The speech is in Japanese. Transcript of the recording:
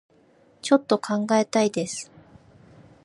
ちょっと考えたいです